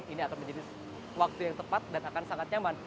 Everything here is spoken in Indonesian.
ini akan menjadi waktu yang tepat dan akan sangat nyaman